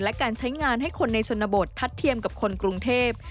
และการใช้งานให้คนในชนบททัดเทียมกับคนกรุงเทพ